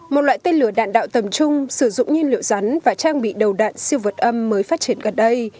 một loại tên lửa đạn đạo tầm trung sử dụng nhiên liệu rắn và trang bị đầu đạn siêu vật âm mới phát triển gần đây